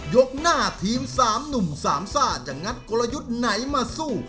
ยกหน้าทีม๓หนุ่มสามซ่าจะงัดกลยุทธ์ไหนมาสู้